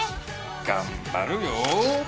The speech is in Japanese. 頑張るよ！